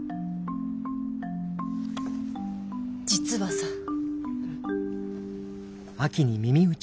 実はさ。